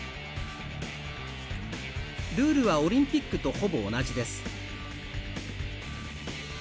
ルールはオリンピックとほぼ同じです。